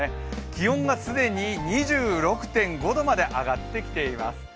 気温が既に２６．５度まで上がってきています。